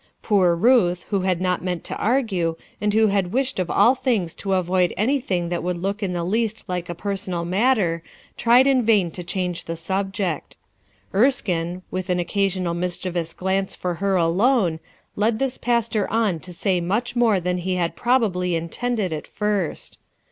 Poor Ruth, who had not meant to argue, and who had wished of all things to avoid anything that would look in the least like a personal matter, tried in vain to change the subject, Erskine, with an occasional mis chievous glance for her alone, led his pastor on to say much more than lie had probably intended at first.